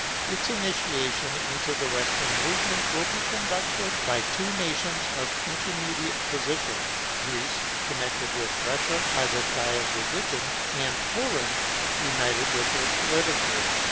Its initiation into the Western movement will be conducted by two nations of intermediate position; Greece, connected with Russia by the tie of religion; and Poland, united with her politically.